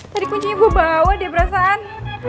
tadi kuncinya gue bawa deh perasaan